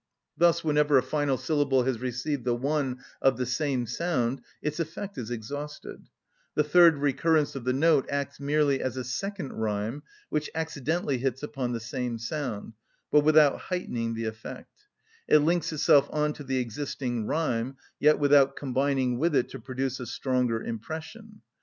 Thus whenever a final syllable has received the one of the same sound its effect is exhausted; the third recurrence of the note acts merely as a second rhyme which accidentally hits upon the same sound, but without heightening the effect; it links itself on to the existing rhyme, yet without combining with it to produce a stronger impression.